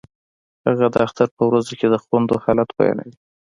هغه د اختر په ورځو کې د خویندو حالت بیانوي